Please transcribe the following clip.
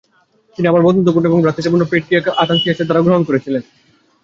তিনি আবার বন্ধুত্বপূর্ণ এবং ভ্রাতৃত্বপূর্ণভাবে প্যাট্রিয়ার্ক আথানাসিয়াসের দ্বারা গ্রহণ করেছিলেন।